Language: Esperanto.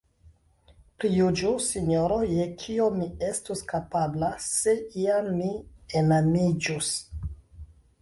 Prijuĝu, sinjoro, je kio mi estus kapabla, se iam mi enamiĝus!